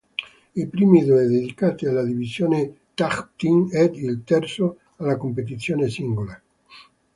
I primi due dedicati alla divisione tag team ed il terzo alla competizione singola.